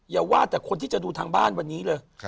อย่าว่าแต่คนที่จะดูทางบ้านวันนี้เลย